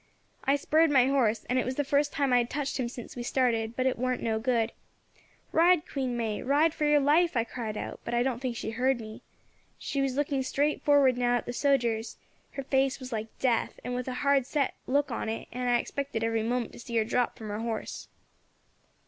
I spurred my horse, and it was the first time I had touched him since we started, but it wasn't no good. 'Ride, Queen May, ride for your life!' I cried out; but I don't think she heard me. She was looking straight forward now at the sojers; her face was like death, and with a hard set look on it, and I expected every moment to see her drop from her horse.